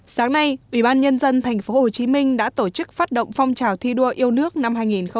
sáng nay ủy ban nhân dân thành phố hồ chí minh đã tổ chức phát động phong trào thi đua yêu nước năm hai nghìn một mươi bảy